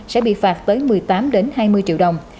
sẽ bị phạt tới một mươi tám hai mươi triệu đồng